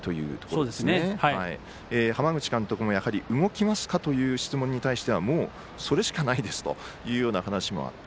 浜口監督も動きますか？という質問に対してはもう、それしかないですというような話もあった。